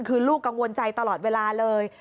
คือลูกกังวลใจตลอดเวลาเลย